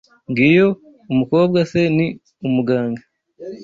Ngiyo umukobwa se ni umuganga.